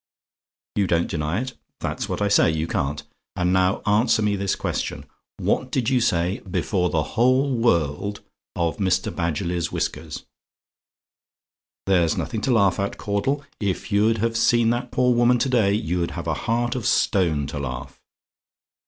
"YOU DON'T DENY IT? "That's what I say you can't. And now answer me this question. What did you say before the whole world of Mr. Badgerly's whiskers? There's nothing to laugh at, Caudle; if you'd have seen that poor woman to day, you'd have a heart of stone to laugh.